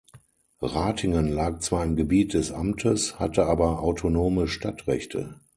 Ratingen lag zwar im Gebiet des Amtes, hatte aber autonome Stadtrechte.